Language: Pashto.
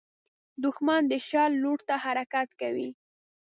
دښمن د شر لور ته حرکت کوي